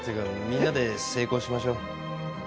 みんなで成功しましょう。